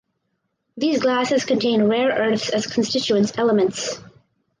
These glasses contain rare earths as constituent elements.